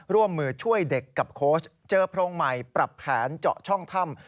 ร่วมมือช่วยเด็กกับโค้ชเจอโพรงใหม่ปรับแผนเจาะช่องถ้ำ